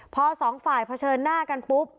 พอสองฝ่ายเผชิญหน้ากันปุ๊บ